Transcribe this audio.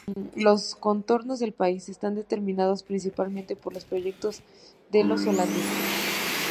Los contornos del país están determinados principalmente por los proyectos de los holandeses.